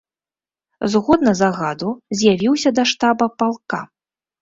Згодна загаду, з'явіўся да штаба палка.